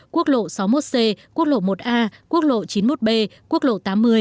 quốc lộ sáu mươi một c quốc lộ một a quốc lộ chín mươi một b quốc lộ tám mươi